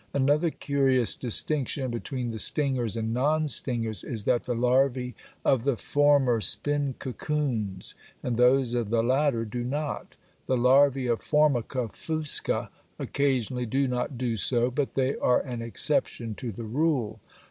Another curious distinction between the stingers and non stingers is that the larvæ of the former spin cocoons and those of the latter do not; the larvæ of Formica fusca occasionally do not do so, but they are an exception to the rule.